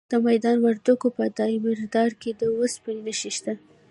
د میدان وردګو په دایمیرداد کې د وسپنې نښې شته.